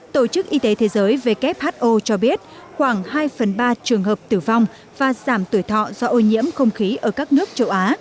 tổ chức y tế thế giới who cho biết khoảng hai phần ba trường hợp tử vong và giảm tuổi thọ do ô nhiễm không khí ở các nước châu á